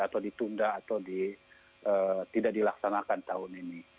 atau ditunda atau tidak dilaksanakan tahun ini